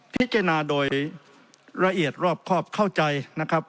พิจารณาโดยละเอียดรอบครอบเข้าใจนะครับ